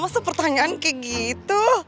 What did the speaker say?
masa pertanyaan kayak gitu